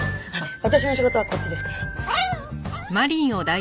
私の仕事はこっちですから。